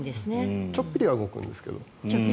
ちょっぴりは動くんですけど。